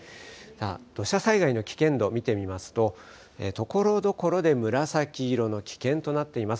土砂災害の危険度を見てみますとところどころで紫色の危険となっています。